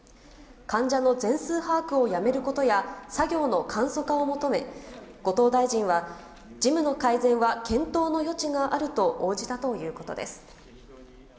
患者の全数把握をやめることや、作業の簡素化を求め、後藤大臣は、事務の改善は検討の余地があると応じたということです。